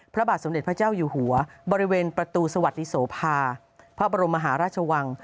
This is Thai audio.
พระบาทสมเด็จพระเจ้าอยู่หัวบริเวณประตูสวัสดิโสภาพระบรมมหาราชวัง